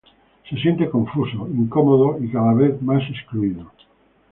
Se siente confuso, incómodo, y cada vez más excluido.